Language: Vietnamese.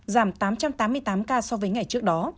giảm tám trăm tám mươi tám ca so với ngày trước đó